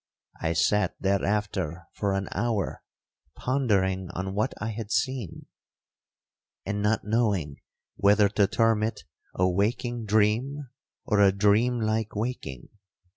I sat thereafter for an hour pondering on what I had seen, and not knowing whether to term it a waking dream, or a dream like waking.